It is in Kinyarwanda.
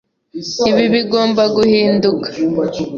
Ibi bigomba guhinduka.